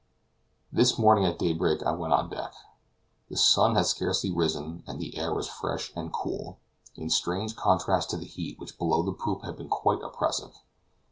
This morning at daybreak I went on deck. The sun had scarcely risen, and the air was fresh and cool, in strange contrast to the heat which below the poop had been quite oppressive.